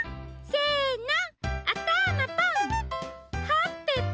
せの！